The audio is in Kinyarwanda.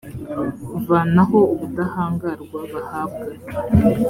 kuvanaho ubudahangarwa bahabwa